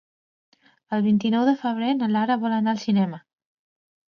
El vint-i-nou de febrer na Lara vol anar al cinema.